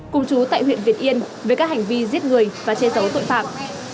cùng chú tại huyện việt yên về các hành vi giết người và che giấu tội phạm